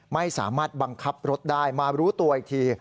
ไม่สามารถบังคับรถได้มารู้ตัวอีกที